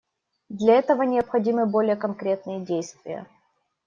Для этого необходимы более конкретные действия.